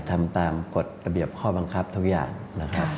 ทำตามกฎระเบียบข้อบังคับทุกอย่างนะครับ